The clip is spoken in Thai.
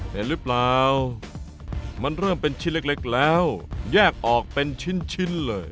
เห็นหรือเปล่ามันเริ่มเป็นชิ้นเล็กแล้วแยกออกเป็นชิ้นเลย